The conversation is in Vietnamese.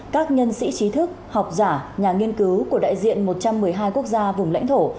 các nhân sĩ trí thức học giả nhà nghiên cứu của đại diện một trăm một mươi hai quốc gia vùng lãnh thổ